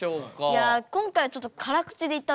いや今回はちょっと辛口でいったんですけど。